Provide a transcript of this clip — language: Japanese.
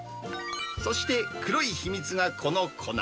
そして黒い秘密がこの粉。